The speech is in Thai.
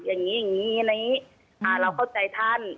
อย่างนี้อย่างนี้เราเข้าใจท่าน